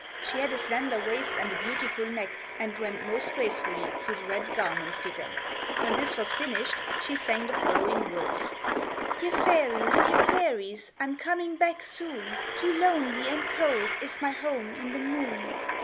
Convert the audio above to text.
She had a slender waist and a beautiful neck, and went most gracefully through the Red Garment figure. When this was finished she sang the following words: "Ye fairies! ye fairies! I'm coming back soon, Too lonely and cold is my home in the moon."